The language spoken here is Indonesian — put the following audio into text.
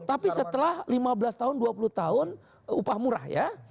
tapi setelah lima belas tahun dua puluh tahun upah murah ya